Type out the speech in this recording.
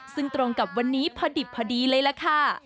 ซึ่งตรงกับวันนี้พอดิบพอดีเลยล่ะค่ะ